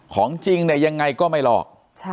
ของจริงเนี่ยยังไงก็ไม่หลอก